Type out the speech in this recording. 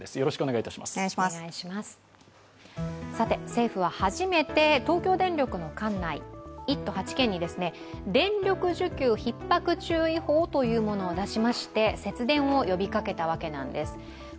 政府は初めて東京電力の管内、１都８県に電力需給ひっ迫注意報というものを出しまして、節電を呼びかけたわけなんです。